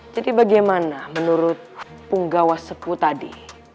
jadi bagaimana menurut punggawa sepuh tadi